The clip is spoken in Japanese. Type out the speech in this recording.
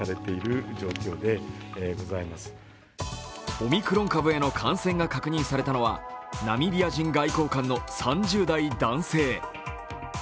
オミクロン株への感染が確認されたのはナミビア人外交官の３０代男性。